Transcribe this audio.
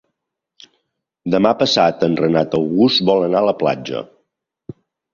Demà passat en Renat August vol anar a la platja.